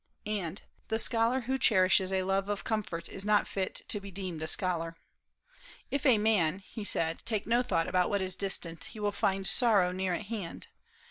And, "The scholar who cherishes a love of comfort is not fit to be deemed a scholar." "If a man," he said, "take no thought about what is distant, he will find sorrow near at hand."